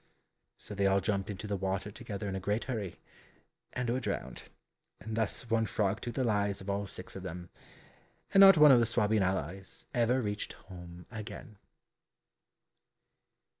So they all jumped into the water together in a great hurry, and were drowned, and thus one frog took the lives of all six of them, and not one of the Swabian allies ever reached home again.